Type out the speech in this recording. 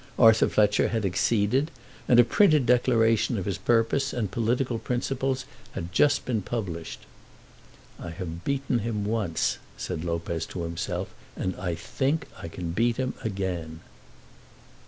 Arthur Fletcher had acceded, and a printed declaration of his purpose and political principles had been just published. "I have beaten him once," said Lopez to himself, "and I think I can beat him again."